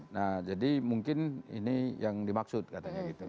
nah jadi mungkin ini yang dimaksud katanya gitu